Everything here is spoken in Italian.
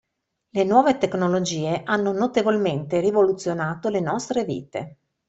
Le nuove tecnologie hanno notevolmente rivoluzionato le nostre vite.